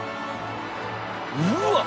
うわっ！